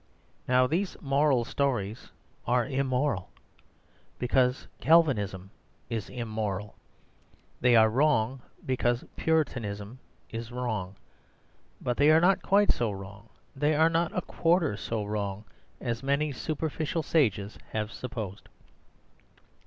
Now these moral stories are immoral, because Calvinism is immoral. They are wrong, because Puritanism is wrong. But they are not quite so wrong, they are not a quarter so wrong, as many superficial sages have supposed.